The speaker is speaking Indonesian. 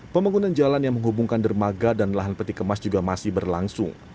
pembangunan jalan yang menghubungkan dermaga dan lahan peti kemas juga masih berlangsung